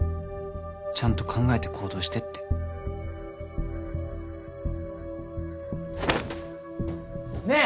ちゃんと考えて行動してってねえ